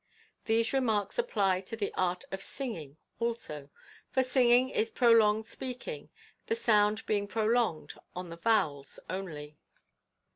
These remarks apply to the art of Singing, also, for singing is prolonged speaking — the sound being prolonged on the vowels only.